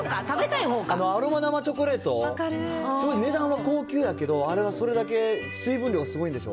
アロマ生チョコレート、すごい値段は高級やけど、あれはそれだけ水分量がすごいんでしょ？